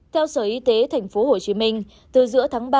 theo sở y tế tp hcm từ giữa tháng ba